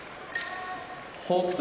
北勝